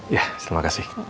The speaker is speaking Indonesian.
ya terima kasih